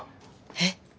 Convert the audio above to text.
えっ？